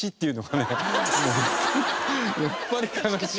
やっぱり悲しい。